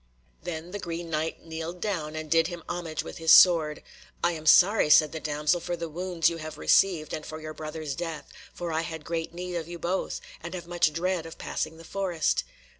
Then the Green Knight kneeled down, and did him homage with his sword. "I am sorry," said the damsel, "for the wounds you have received, and for your brother's death, for I had great need of you both, and have much dread of passing the forest."